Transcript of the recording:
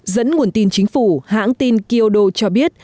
dẫn nguồn tin chính phủ hãng tin kyodo cho biết